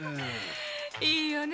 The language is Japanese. いいわね